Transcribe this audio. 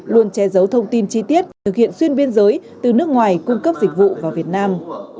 luôn che giấu thông tin chi tiết thực hiện xuyên biên giới từ nước ngoài cung cấp dịch vụ vào việt nam